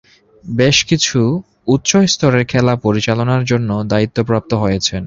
বেশ কিছু উচ্চ স্তরের খেলা পরিচালনার জন্য দায়িত্বপ্রাপ্ত হয়েছেন।